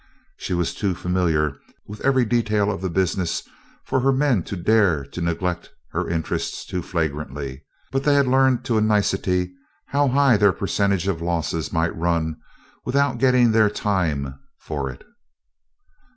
She was too familiar with every detail of the business for her men to dare to neglect her interests too flagrantly, but they had learned to a nicety how high their percentage of losses might run without getting their "time" for it.